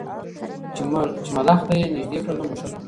چي ملخ ته یې نیژدې کړله مشوکه